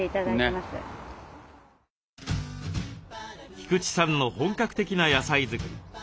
菊池さんの本格的な野菜作り。